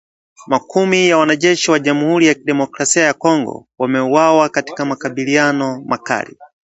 makumi ya wanajeshi wa Jamhuri ya Kidemokrasia ya Kongo wameuawa katika makabiliano makali